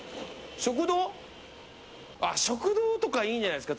食堂とかいいんじゃないですか？